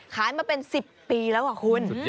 ขายมาเป็น๑๐ปีแล้วคุณ